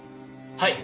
はい。